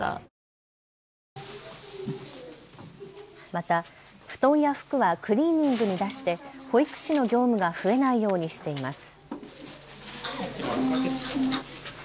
また、布団や服はクリーニングに出して保育士の業務が増えないようにしています。